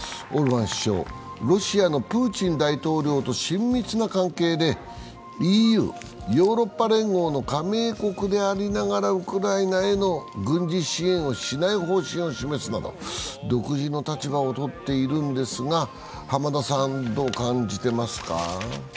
オルバン首相、ロシアのプーチン大統領と親密な関係でＥＵ＝ヨーロッパ連合の加盟国でありながらウクライナへの軍事支援をしない方針を示すなど独自の立場を取っているんですが、浜田さん、どう感じてますか？